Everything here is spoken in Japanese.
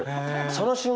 その瞬間